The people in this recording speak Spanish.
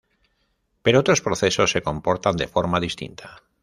Pero otros procesos se comportan de forma distinta.